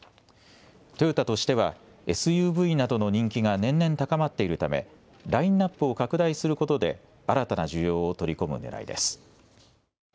トヨタとしてはＳＵＶなどの人気が年々、高まっているためラインナップを拡大することで新たな需要を取り込むねらいです。